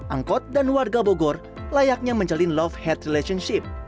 angkot dan warga bogor layaknya menjalin love head relationship